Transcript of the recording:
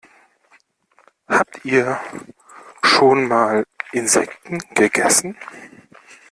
Habt ihr schon mal Insekten gegessen?